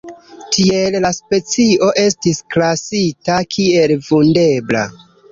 Tiele la specio estis klasita kiel vundebla.